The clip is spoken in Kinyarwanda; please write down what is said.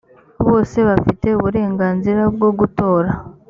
bose bafite uburenganzira bwo gutora.